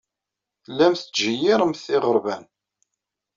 Tellamt tettjeyyiremt iɣerban.